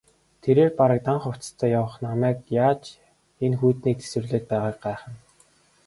Тэрээр бараг дан хувцастай явах намайг яаж энэ хүйтнийг тэсвэрлээд байгааг гайхна.